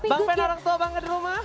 bang pen orang tua bangga di rumah